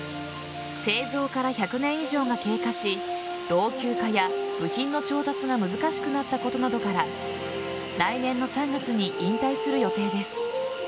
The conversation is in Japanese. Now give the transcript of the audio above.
製造から１００年以上が経過し老朽化や部品の調達が難しくなったことなどから来年の３月に引退する予定です。